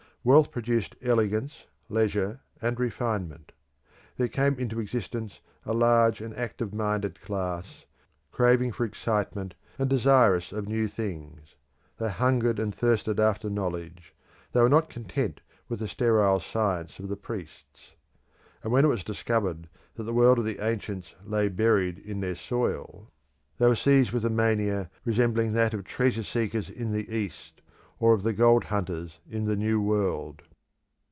Wealth produced elegance, leisure, and refinement. There came into existence a large and active minded class, craving for excitement, and desirous of new things. They hungered and thirsted after knowledge; they were not content with the sterile science of the priests. And when it was discovered that the world of the ancients lay buried in their soil, they were seized with a mania resembling that of treasure seekers in the East, or of the gold hunters in the New World.